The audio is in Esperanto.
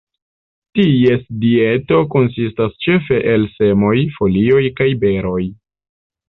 Ties dieto konsistas ĉefe el semoj, folioj kaj beroj.